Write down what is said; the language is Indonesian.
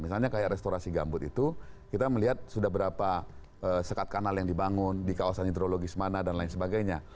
misalnya kayak restorasi gambut itu kita melihat sudah berapa sekat kanal yang dibangun di kawasan hidrologis mana dan lain sebagainya